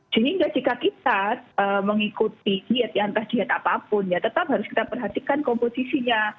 sehingga jika kita mengikuti diet ya entah diet apapun ya tetap harus kita perhatikan komposisinya